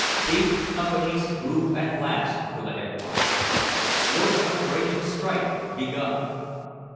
"Big Companies Move at Last," were the headlines, "Work of Breaking Strike Begun."